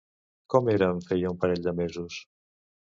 Com eren feia un parell de mesos?